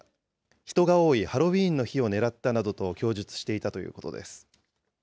人が多いハロウィーンの日を狙ったなどと供述していたということです。